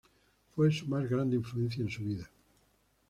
Fue su más grande influencia en su vida.